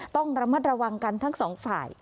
ต้องระมัดระวังกันทั้งสองฝ่าย